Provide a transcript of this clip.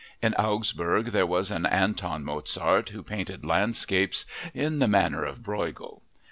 In Augsburg there was an Anton Mozart who painted landscapes "in the manner of Breughel."